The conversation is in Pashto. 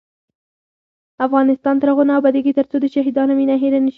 افغانستان تر هغو نه ابادیږي، ترڅو د شهیدانو وینه هیره نشي.